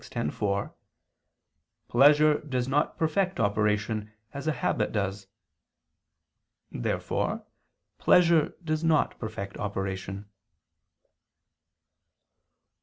x, 4), "pleasure does not perfect operation, as a habit does." Therefore pleasure does not perfect operation.